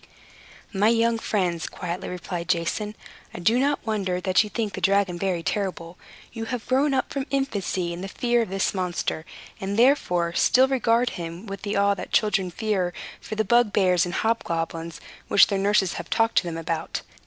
"My young friends," quietly replied Jason, "I do not wonder that you think the dragon very terrible. You have grown up from infancy in the fear of this monster, and therefore still regard him with the awe that children feel for the bugbears and hobgoblins which their nurses have talked to them about.